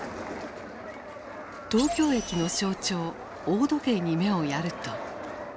東京駅の象徴大時計に目をやると。